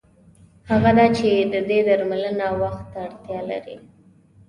هغه دا چې د دې درملنه وخت ته اړتیا لري.